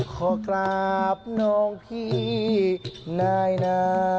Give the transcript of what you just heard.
ขอกราบน้องพี่นายนะ